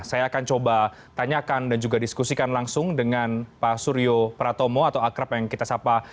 saya akan coba tanyakan dan juga diskusikan langsung dengan pak suryo pratomo atau akrab yang kita sapa